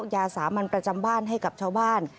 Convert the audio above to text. ยาสามัญประจำบ้านให้กับชาวบ้าน